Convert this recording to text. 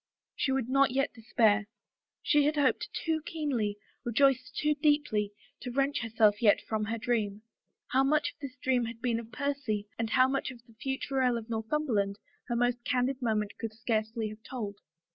She would not yet despair. She had hoped too keenly, rejoiced too deeply, to wrench herself yet from her dream. How much of this dream had been of Percy and how much of the future Earl of Northumberland her most candid moment could scarcely have told.